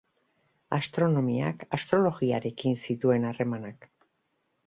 Astronomiak astrologiarekin zituen harremanak.